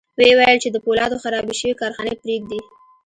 ويې ویل چې د پولادو خرابې شوې کارخانې پرېږدي